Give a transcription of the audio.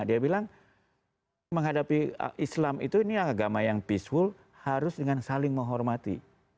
dia bilang menghadapi islam itu ini agama yang peaceful harus dengan saling menghormati